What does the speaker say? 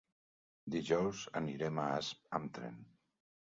Dijous anirem a Asp amb tren.